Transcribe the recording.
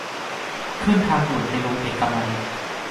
ขึ้นทางด่วนไปลงเอกมัย